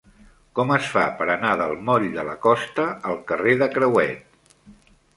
Com es fa per anar del moll de la Costa al carrer de Crehuet?